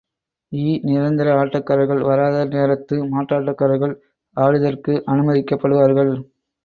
இ நிரந்தர ஆட்டக்காரர்கள் வராத நேரத்து, மாற்றாட்டக்காரர்கள் ஆடுதற்கு அனுமதிக்கப் படுவார்கள்.